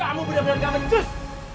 kamu benar benar gak mencus